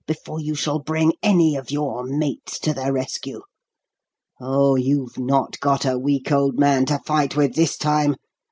before you shall bring any of your mates to the rescue. Oh, you've not got a weak old man to fight with this time!